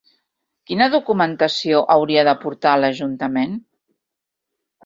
Quina documentació hauria de portar a l'Ajuntament?